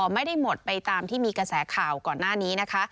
ไม่ได้หมดไปตามที่มีกระแสข่าวก่อนหน้านี้นะคะ